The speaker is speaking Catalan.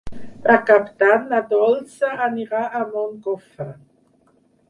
Per Cap d'Any na Dolça anirà a Moncofa.